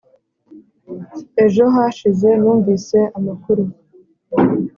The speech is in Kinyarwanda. ejo hashize numvise amakuru.